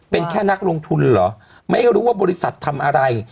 เป็นแค่นักลงทุนเหรอไม่รู้ว่าบริษัททำอะไร